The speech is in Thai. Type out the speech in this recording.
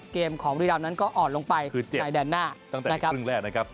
เกมของบุรีรามนั้นก็อ่อนลงไปคือในแดนหน้าตั้งแต่ครึ่งแรกนะครับ